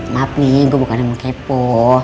map nih gue bukan emang kepo